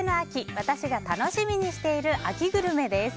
私が楽しみにしている秋グルメです。